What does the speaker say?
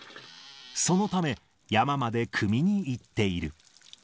そのため、山までくみに行っている。